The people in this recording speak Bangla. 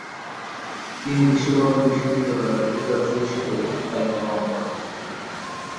তিনি বিশ্বভারতী বিশ্ববিদ্যালয়ের উপাচার্য হিসেবেও দায়িত্ব পালন করেন।